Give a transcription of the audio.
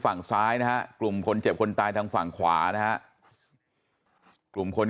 ฝั่งซ้ายนะฮะกลุ่มคนเจ็บคนตายทางฝั่งขวานะฮะกลุ่มคน